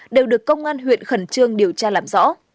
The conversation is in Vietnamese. đều được công an huyện khẩn trương điều trị